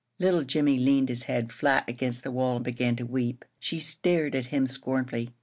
Little Jimmie leaned his head flat against the wall and began to weep. She stared at him scornfully.